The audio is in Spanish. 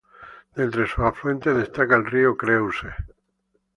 De entre sus afluentes destaca el río Creuse.